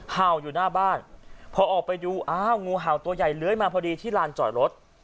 เห่าอยู่หน้าบ้านพอออกไปดูอ้าวงูเห่าตัวใหญ่เลื้อยมาพอดีที่ลานจอดรถ